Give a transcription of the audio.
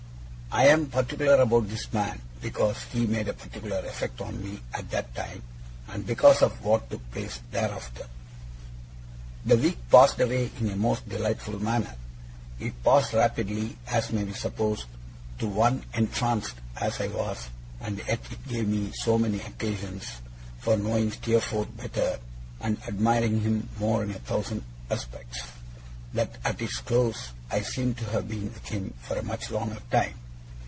I am particular about this man, because he made a particular effect on me at that time, and because of what took place thereafter. The week passed away in a most delightful manner. It passed rapidly, as may be supposed, to one entranced as I was; and yet it gave me so many occasions for knowing Steerforth better, and admiring him more in a thousand respects, that at its close I seemed to have been with him for a much longer time.